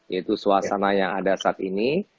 yaitu suasana yang ada saat ini